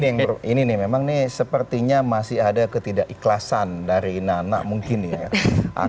nah ini nih memang nih sepertinya masih ada ketidak ikhlasan dari nana mungkin nih ya